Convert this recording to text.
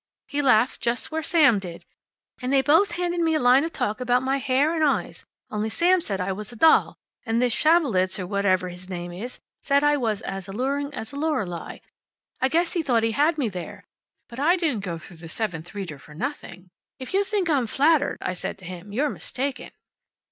He laughed just where Sam did. And they both handed me a line of talk about my hair and eyes, only Sam said I was a doll, and this Schabelitz, or whatever his name is, said I was as alluring as a Lorelei. I guess he thought he had me there, but I didn't go through the seventh reader for nothing. `If you think I'm flattered,' I said to him, `you're mistaken.